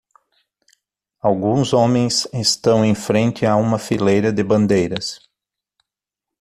Alguns homens estão em frente a uma fileira de bandeiras.